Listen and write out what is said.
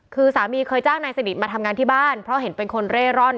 คือสามีเคยจ้างนายสนิทมาทำงานที่บ้านเพราะเห็นเป็นคนเร่ร่อน